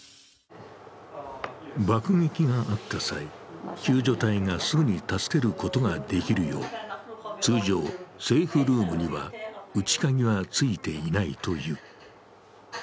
爆撃があった際、救助隊がすぐに助けることができるよう、通常、セーフルームには内鍵はついていないという。